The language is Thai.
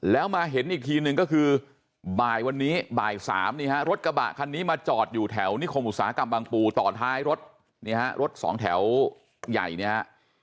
แล้วมาเห็นอีกทีนึงก็คือบ่ายวันนี้บ่าย๓รถกระบะคันนี้มาจอดอยู่แถวนิคมศากำบังปูต่อท้ายรถ๒แถวใหญ่